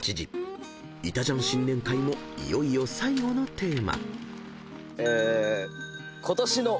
［『いたジャン』新年会もいよいよ最後のテーマ］